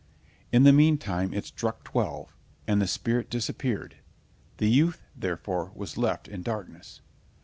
In the meantime it struck twelve, and the spirit disappeared; the youth, therefore, was left in darkness.